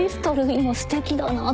今すてきだなと。